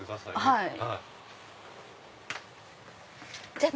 はい。